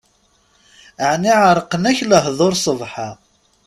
Ɛni ɛerqen-ak lehdur sbeḥ-a?